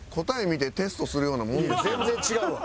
いや全然違うわ。